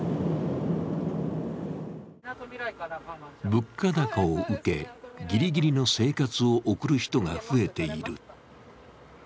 物価高を受け、ぎりぎりの生活を送る人が増えている。